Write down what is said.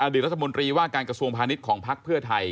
รัฐมนตรีว่าการกระทรวงพาณิชย์ของพักเพื่อไทย